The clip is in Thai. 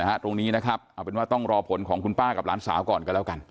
ตรงนี้นะครับเอาเป็นว่าต้องรอผลของคุณป้ากับหลานสาวก่อนกันแล้วกัน